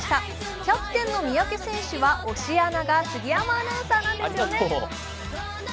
キャプテンの三宅選手は推しアナが杉山アナウンサーなんですよね。